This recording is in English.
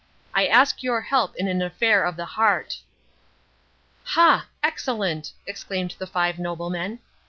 I ask your help in an affair of the heart." "Ha! excellent!" exclaimed the five noblemen.